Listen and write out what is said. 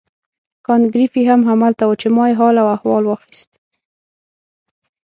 کانت ګریفي هم همالته وو چې ما یې حال و احوال واخیست.